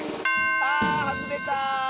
あはずれた！